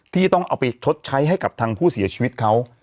ที่ต้องเอาไปชดใช้ให้กับทางผู้เสียชีวิตเขา